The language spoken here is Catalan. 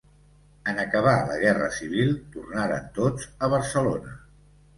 En acabar la guerra civil, tornaren tots a Barcelona.